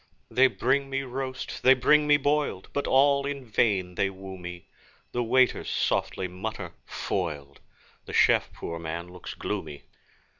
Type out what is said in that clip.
They bring me roast, they bring me boiled, But all in vain they woo me; The waiters softly mutter, 'Foiled!' The chef, poor man, looks gloomy.